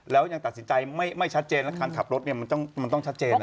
แล้วยังตัดสินใจไม่ไม่ชัดเจนแล้วคันขับรถเนี้ยมันต้องมันต้องชัดเจนนะ